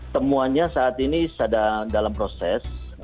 temuannya saat ini sedang dalam proses